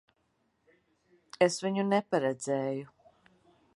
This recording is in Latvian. Es viņu neparedzēju.